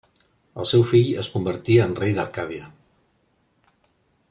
El seu fill es convertí en rei d'Arcàdia.